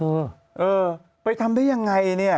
เออไปทำได้ยังไงนี่